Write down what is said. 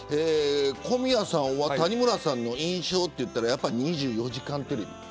小宮さんは谷村さんの印象は２４時間テレビ。